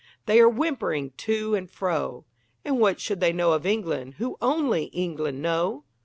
They are whimpering to and fro And what should they know of England who only England know?